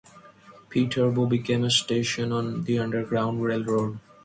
Peterboro became a station on the Underground Railroad.